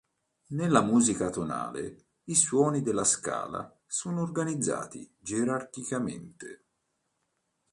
Nella musica tonale, i suoni della scala sono organizzati gerarchicamente.